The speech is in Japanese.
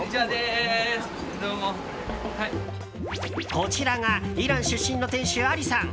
こちらがイラン出身の店主アリさん。